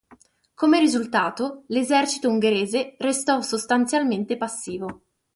Come risultato, l'esercito ungherese restò sostanzialmente passivo.